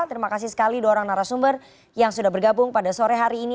terima kasih sekali dua orang narasumber yang sudah bergabung pada sore hari ini